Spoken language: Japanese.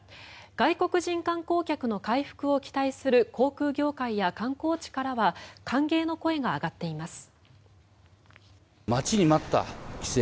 外国人観光客の回復を期待する航空業界や観光地からは歓迎の声が上がっています。